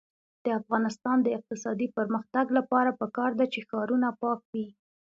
د افغانستان د اقتصادي پرمختګ لپاره پکار ده چې ښارونه پاک وي.